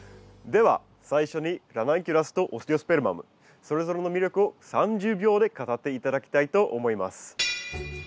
では最初にラナンキュラスとオステオスペルマムそれぞれの魅力を３０秒で語って頂きたいと思います。